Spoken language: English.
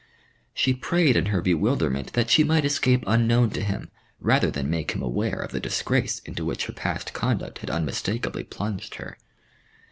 She prayed in her bewilderment that she might escape unknown to him, rather than make him aware of the disgrace into which her past conduct had unmistakably plunged her.